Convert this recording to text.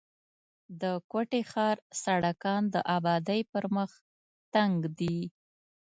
د کوټي ښار سړکان د آبادۍ پر مخ تنګ دي.